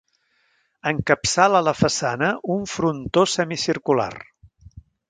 Encapçala la façana un frontó semicircular.